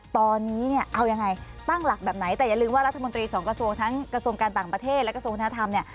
ตอนนี้เนี่ยเอายังไงตั้งหลักแบบไหนแต่อย่าลืมว่ารัฐมนตรีสองกระทรวงทั้งกระทรวงการต่างประเทศและกระทรวงวัฒนธรรมเนี่ย